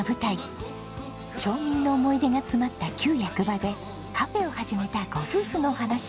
町民の思い出が詰まった旧役場でカフェを始めたご夫婦のお話。